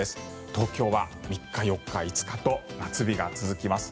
東京は３日、４日、５日と夏日が続きます。